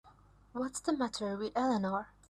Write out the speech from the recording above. What's the matter with Eleanor?